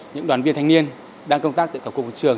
những đoàn viên thanh niên đang công tác tại tổng cục môi trường